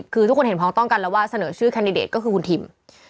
คือทุกคนเห็นพร้อมต้องกันแล้วว่าเสนอชื่อแคนดิเดตก็คือคุณทิม